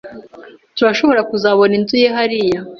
Turashobora kubona inzu ye hariya.